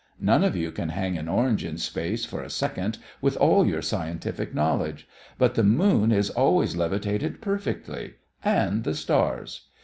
None of you can hang an orange in space for a second, with all your scientific knowledge; but the moon is always levitated perfectly. And the stars.